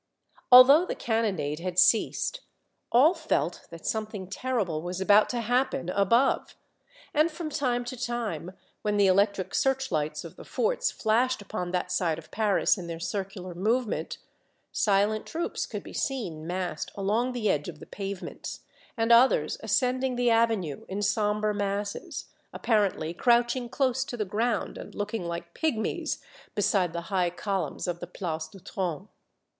Although the cannonade The Concert of Company Eight. 167 had ceased, all felt that something terrible was about to happen above, and from time to time, when the electric search lights of the forts flashed upon that side of Paris in their circular movement, silent troops could be seen massed along the edge of the pavements, and others ascending the avenue in sombre masses, apparently crouching close to the ground, and looking like pygmies, beside the high columns of the Place du Trone.